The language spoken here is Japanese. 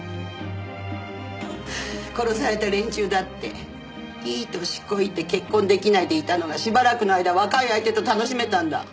殺された連中だっていい歳こいて結婚出来ないでいたのがしばらくの間若い相手と楽しめたんだ。